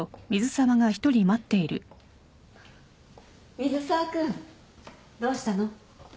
水沢君どうしたの？